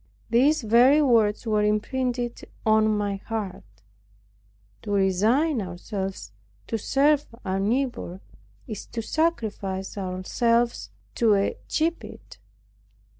These very words were imprinted on my heart: "To resign ourselves to serve our neighbor is to sacrifice ourselves to a gibbet.